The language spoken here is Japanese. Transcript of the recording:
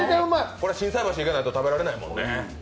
これは心斎橋行かないと食べられないもんね。